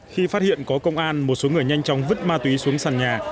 khi phát hiện có công an một số người nhanh chóng vứt ma túy xuống sàn nhà